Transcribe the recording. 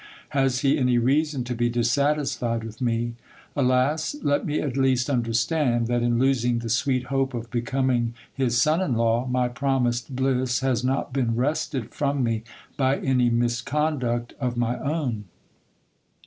Has he any reason to be dissatisfied with me ? Alas ! let me at least understand, that in losing the sweet hope of becoming his son in law, my promised bliss has not been wrested from me by any misconduct of my own.